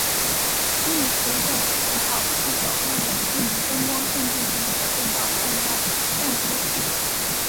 目前在浅草寺等日本著名观光胜地仍可见到贩卖弹珠汽水。